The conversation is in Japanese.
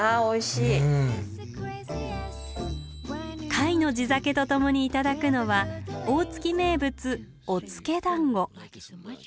甲斐の地酒とともに頂くのは大月名物おつけ団子。